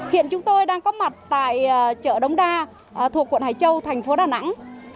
hiện chúng tôi đang có mặt tại chợ đống đa thuộc quận hải châu thành phố đà nẵng